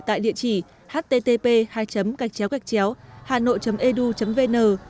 tại địa chỉ http hanoi edu vn